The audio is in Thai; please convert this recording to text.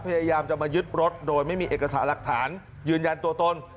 พยายามจะมายึดรถโดยไม่มีเอกสารหลักฐานยืนยันตัวตน